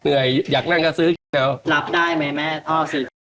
เหนื่อยอยากนั่งกระซื้อหลับได้ไหมแม่พ่อสิ